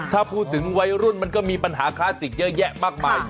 ถ้าพูดถึงวัยรุ่นมันก็มีปัญหาคลาสสิกเยอะแยะมากมาย